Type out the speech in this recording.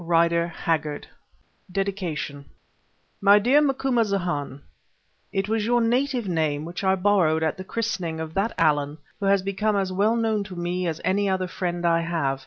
FIFTEEN YEARS AFTER DEDICATION My Dear Macumazahn, It was your native name which I borrowed at the christening of that Allan who has become as well known to me as any other friend I have.